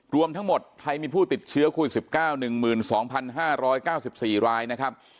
รวมทั้งหมดไทยมีผู้ติดเชื้อโควิด๑๙๑๒๕๙๔รายนะครับ